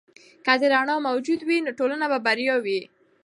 که د علم رڼا موجوده وي، نو ټولنه به بریالۍ وي.